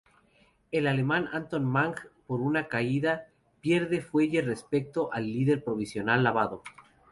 El alemán Anton Mang por una caída, pierde fuelle respecto al líder provisional, Lavado.